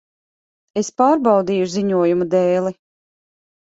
Es pārbaudīju ziņojumu dēli.